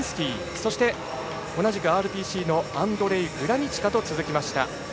そして同じくＲＰＣのアンドレイ・グラニチカと続きました。